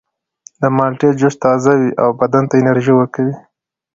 د مالټې جوس تازه وي او بدن ته انرژي ورکوي.